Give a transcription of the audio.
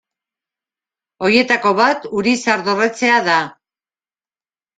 Horietako bat Urizar dorretxea da.